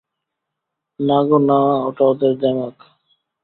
না গো না, ওটা ওঁদের দেমাক।